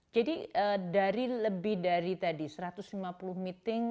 jadi dari lebih dari tadi satu ratus lima puluh meeting